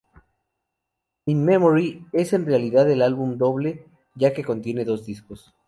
In My Memory es en realidad un álbum doble, ya que contiene dos discos.